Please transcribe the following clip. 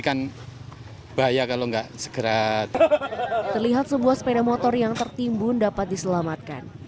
kan bahaya kalau enggak segera terlihat sebuah sepeda motor yang tertimbun dapat diselamatkan